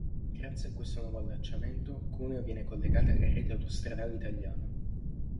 Grazie a questo nuovo allacciamento, Cuneo viene collegata alla rete autostradale italiana.